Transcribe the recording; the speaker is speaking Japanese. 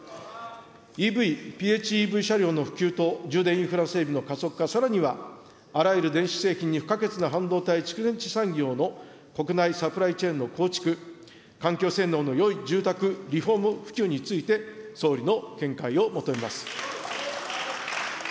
ＥＶ、ＰＨＥＶ車両の普及と充電インフラ整備の加速化、さらにはあらゆる電子製品に不可欠な半導体、蓄電池産業の国内サプライチェーンの構築、環境性能のよい住宅、リフォーム普及について、総理の見解を求めます。